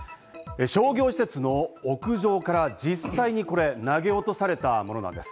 商業施設の屋上から実際にこれ、投げ落とされたものなんです。